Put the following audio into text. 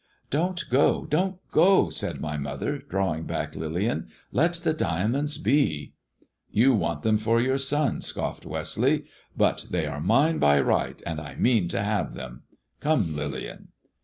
"Don't go; don't go," said my mother, drawing back Lillian ;" let the diamonds be." " You want them for your son," scoffed Westleigh ;" but THE DEAD MAN'S DIAMONDS 209 they are mine by right, and I mean to have them. Come, Lillian."